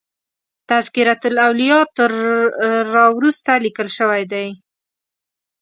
تذکرة الاولیاء تر را وروسته لیکل شوی دی.